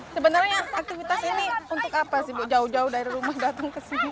sebenarnya aktivitas ini untuk apa sih bu jauh jauh dari rumah datang ke sini